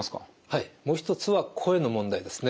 はいもう一つは声の問題ですね。